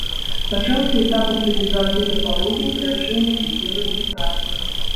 Пачаўся этап аптымізацыі тапалогіі і паляпшэння эфектыўнасці працы.